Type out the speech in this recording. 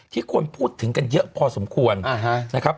คนพูดถึงกันเยอะพอสมควรนะครับ